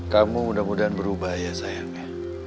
kamu mudah mudahan berubah ya sayangnya